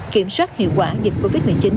kiểm soát hiệu quả dịch covid một mươi chín